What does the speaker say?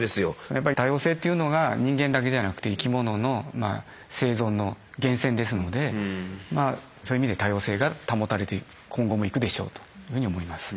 やっぱり多様性っていうのが人間だけじゃなくて生き物のまあ生存の源泉ですのでそういう意味で多様性が保たれて今後もいくでしょうというふうに思います。